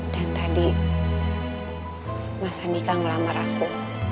dan tadi mas andika ngelamar aku